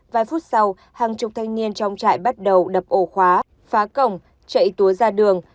vài phút sau hàng chục thanh niên trong trại bắt đầu đập ổ khóa phá cổng chạy túa ra đường